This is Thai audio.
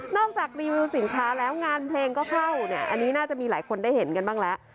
จากรีวิวสินค้าแล้วงานเพลงก็เข้าเนี่ยอันนี้น่าจะมีหลายคนได้เห็นกันบ้างแล้ว